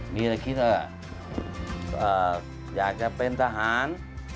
มีอะไรคิดอะอยากจะเป็นทหาร